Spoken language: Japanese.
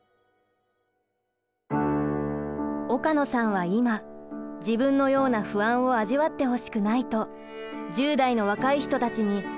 岡野さんは今自分のような不安を味わってほしくないと１０代の若い人たちに性の知識を広める活動を行っています。